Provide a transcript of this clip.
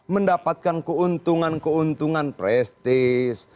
mendapatkan keuntungan keuntungan prestis